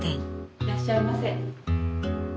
いらっしゃいませ。